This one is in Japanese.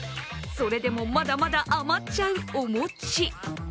それでも、まだまだ余っちゃうお餅。